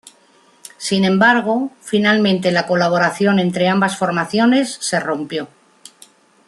Sin embargo, finalmente la colaboración entre ambas formaciones se rompió.